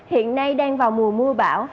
hiện nay đang vào mùa mưa bão